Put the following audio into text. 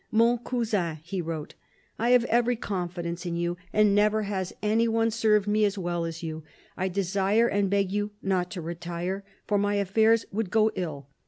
" Mon Cousin," he wrote, ".. .1 have every confidence in you, and never has any one served me as well as you. ... I desire and beg you not to retire, for my affairs would go ill.